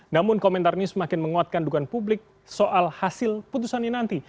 namun komentar ini semakin menguatkan dugaan publik soal hasil putusannya nanti